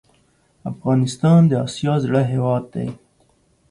افغانستان د اسیا زړه هیواد ده